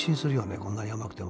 こんなに甘くても。